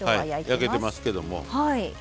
焼けてますけども。